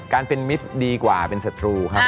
การเป็นมิตรดีกว่าเป็นศัตรูครับ